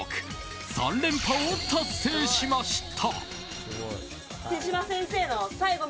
３連覇を達成しました。